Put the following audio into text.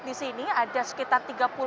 di sini ada sekitar tiga puluh